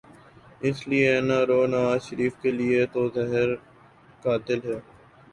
اس لیے N R O Nawaz Sharif کیلئے تو زہر قاتل ہے۔